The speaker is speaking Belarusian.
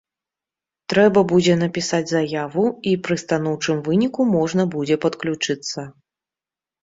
Трэба будзе напісаць заяву, і пры станоўчым выніку можна будзе падключыцца.